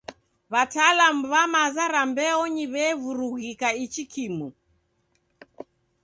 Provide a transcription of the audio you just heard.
W'atalamu w'a maza ra mbeonyi w'evurughika ichi kimu.